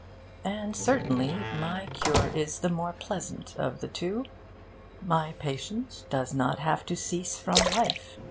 And certainly, my cure is the more pleasant of the two. My patient does not have to cease from life.